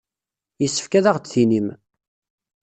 Yessefk ad aɣ-d-tinim.